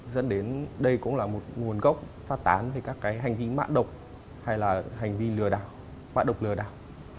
dẫn đến đây cũng là một nguồn gốc phát tán về các cái hành vi mạng độc hay là hành vi lừa đảo mạng độc lừa đảo